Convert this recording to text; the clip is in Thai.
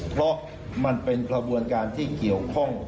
ก็มันเป็นผลวนการที่เกี่ยวพ่อง